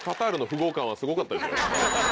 すごかったですよ。